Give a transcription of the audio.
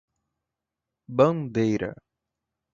Bandeira